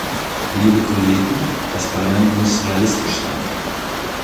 Liebe Kollegen, das Parlament muss realistisch sein.